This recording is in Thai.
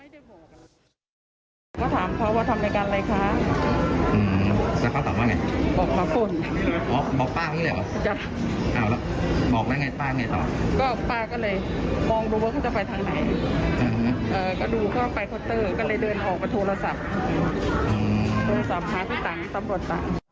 ดูเข้าไปก็เลยเดินออกไปโทรศัพท์โทรศัพท์หาพี่ตั๋งตำรวจตั๋ง